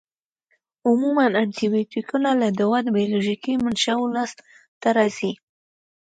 عموماً انټي بیوټیکونه له دوو بیولوژیکي منشأوو لاس ته راځي.